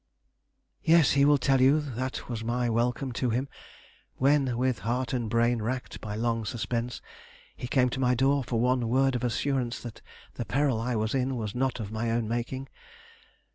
"Yes, he will tell you that was my welcome to him when, with heart and brain racked by long suspense, he came to my door for one word of assurance that the peril I was in was not of my own making.